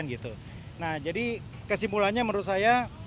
nah jadi kesimpulannya menurut saya